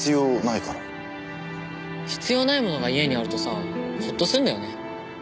必要ない物が家にあるとさほっとするんだよね。